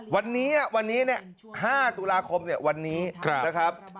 วันนี้วันนี้เนี่ยห้าตุลาคมเนี่ยวันนี้ครับนะครับ